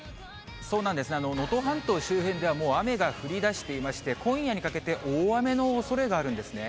そうなんですね、能登半島周辺では、もう雨が降りだしていまして、今夜にかけて大雨のおそれがあるんですね。